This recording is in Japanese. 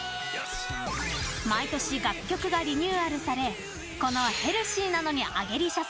毎年、楽曲がリニューアルされこの「ヘルシーなのにアゲリシャス」